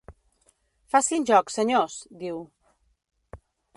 Facin joc, senyors —diu.